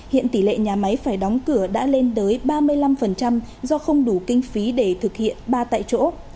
hiện tỷ lệ nhà máy phải đóng cửa đã lên tới ba mươi năm do không đủ kinh phí để thực hiện ba tại chỗ